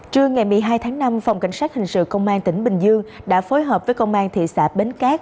trưa ngày một mươi hai tháng năm phòng cảnh sát hình sự công an tỉnh bình dương đã phối hợp với công an thị xã bến cát